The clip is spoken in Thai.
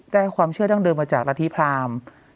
ได้ความเชื่อดังเดิมมาจากละทีพราหมณ์